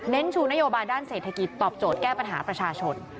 ชูนโยบายด้านเศรษฐกิจตอบโจทย์แก้ปัญหาประชาชน